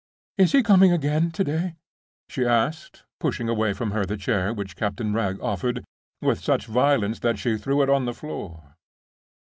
"Is he coming again to day?" she asked, pushing away from her the chair which Captain Wragge offered, with such violence that she threw it on the floor.